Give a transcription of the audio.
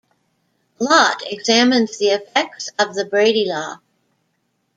Lott examines the effects of the Brady law.